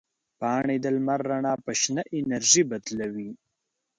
پاڼې د لمر رڼا په شنه انرژي بدلوي.